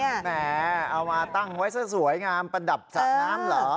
แหมเอามาตั้งไว้ซะสวยงามประดับสระน้ำเหรอ